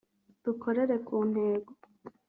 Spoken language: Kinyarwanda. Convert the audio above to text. dukorere ku ntego